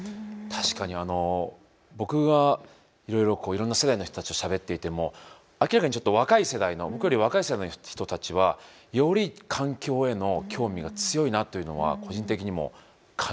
確かに僕がいろいろな世代の人たちとしゃべっていても明らかに若い世代の僕より若い世代の人たちはより環境への興味が強いなというのは個人的にも感じていますね。